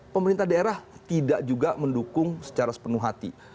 pemerintah daerah tidak juga mendukung secara sepenuh hati